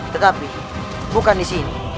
tetapi bukan disini